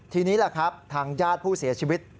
ทีนี้แหละครับทางญาติผู้เสียชีวิต